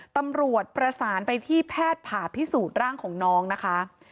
ตำรวจประสานไปที่แพทย์ผ่าพิสูจน์ร่างของน้องนะคะ